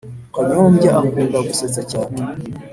Kanyombya akunda gusetsa cyane